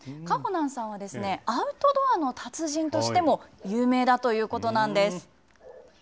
かほなんさんはですね、アウトドアの達人としても有名だということなんです。